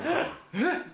えっ？